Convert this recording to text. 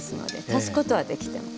足すことはできても。